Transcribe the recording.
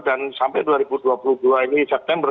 dan sampai dua ribu dua puluh dua ini september